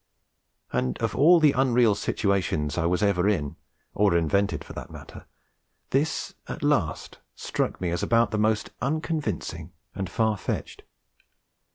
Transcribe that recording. And of all the unreal situations I was ever in or invented, for that matter this at last struck me as about the most unconvincing and far fetched.